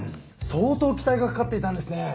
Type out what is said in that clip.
相当期待がかかっていたんですね。